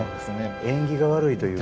縁起が悪いというか。